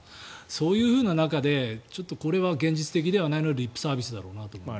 そういうふうな中でこれは現実的ではないのでリップサービスだろうなと思います。